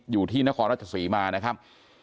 อยู่ที่นครราชศรีมานะครับ